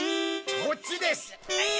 こっちです！